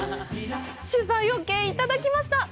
取材オーケーいただきました！